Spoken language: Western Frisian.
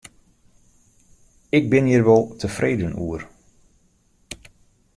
Ik bin hjir wol tefreden oer.